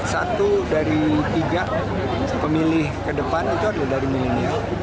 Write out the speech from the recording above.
satu dari tiga pemilih ke depan itu adalah dari milenial